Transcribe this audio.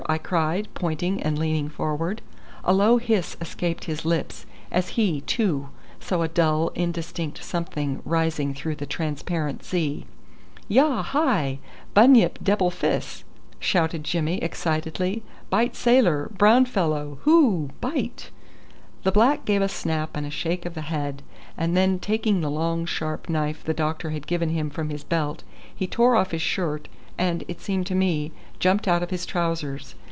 I cried, pointing, and leaning forward. A low hiss escaped his lips as he, too, saw a dull, indistinct something rising through the transparent sea. "Yah, hi! Bunyip debble fis!" shouted Jimmy excitedly. "Bite sailor, brown fellow. Hoo. Bite!" The black gave a snap and a shake of the head, and then taking the long sharp knife the doctor had given him from his belt, he tore off his shirt and, it seemed to me, jumped out of his trousers.